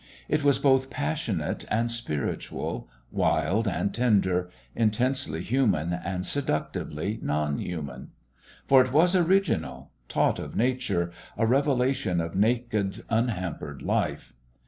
It was both passionate and spiritual, wild and tender, intensely human and seductively non human. For it was original, taught of Nature, a revelation of naked, unhampered life.